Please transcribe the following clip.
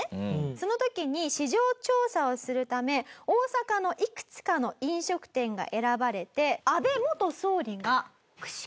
その時に市場調査をするため大阪のいくつかの飲食店が選ばれて。